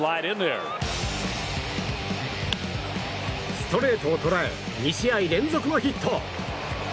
ストレートを捉え２試合連続のヒット！